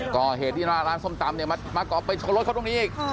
ก็เหตุที่ร้านส้มตำมาก่อไปชนรถเขาตรงนี้